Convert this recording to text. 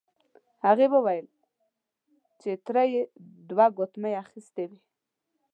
هغې وویل چې تره یې دوه ګوتمۍ اخیستې وې.